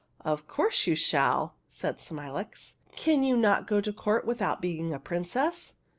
" Of course you shall !" said Smilax. " Can you not go to court without being a princess